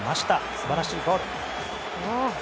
素晴らしいゴール。